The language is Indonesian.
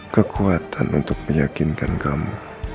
kekuatan untuk meyakinkan kamu